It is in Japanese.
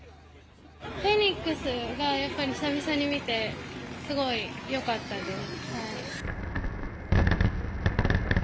フェニックスがやっぱり、久々に見て、すごいよかったです。